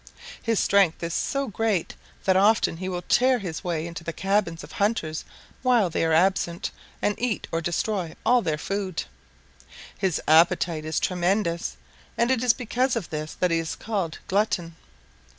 His strength is so great that often he will tear his way into the cabins of hunters while they are absent and then eat or destroy all their food. His appetite is tremendous, and it is because of this that he is called Glutton.